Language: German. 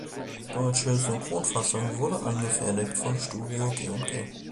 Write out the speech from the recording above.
Die deutsche Synchronfassung wurde angefertigt von Studio G&G.